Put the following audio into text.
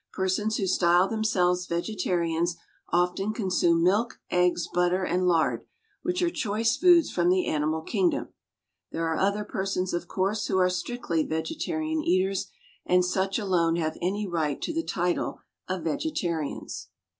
Persons who style themselves vegetarians often consume milk, eggs, butter, and lard, which are choice foods from the animal kingdom. There are other persons, of course, who are strictly vegetarian eaters, and such alone have any right to the title of vegetarians."